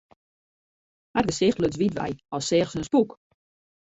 Har gesicht luts wyt wei, as seach se in spûk.